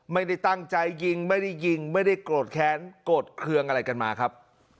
ไม่ได้ตั้งใจยิงไม่ได้ยิงไม่ได้โกรธแค้นโกรธเครื่องอะไรกันมาครับ